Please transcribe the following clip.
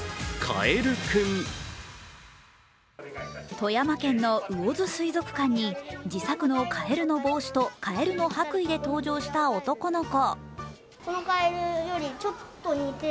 富山県の魚津水族館に自作のかえるの帽子とかえるの白衣で登場した男の子。